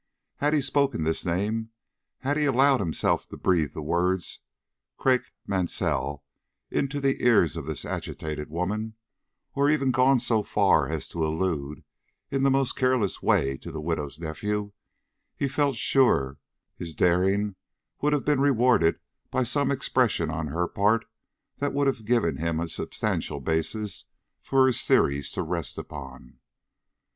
Had he spoken this name, had he allowed himself to breathe the words "Craik Mansell" into the ears of this agitated woman, or even gone so far as to allude in the most careless way to the widow's nephew, he felt sure his daring would have been rewarded by some expression on her part that would have given him a substantial basis for his theories to rest upon.